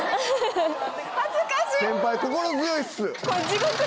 恥ずかしい。